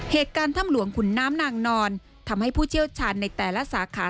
เหตุการณ์ถ้ำหลวงขุนน้ำนางนอนทำให้ผู้เชี่ยวชาญในแต่ละสาขา